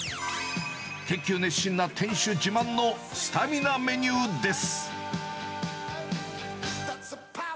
研究熱心な店主自慢のスタミナメニューです。